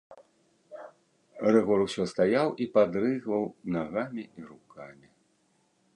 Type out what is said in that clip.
Рыгор усё стаяў і падрыгваў нагамі і рукамі.